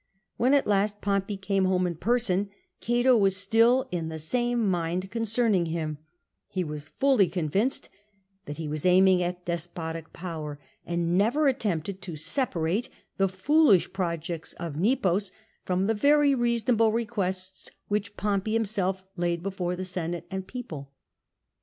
When at last Pompey came home in person, Cato was still in the same mind concerning him ; he was fully convinced that he was aiming at despotic power, and never 214 CATO attempted to separate the foolish projects of Nepos from the very reasonable requests which Pompey himself laid before the Senate and people.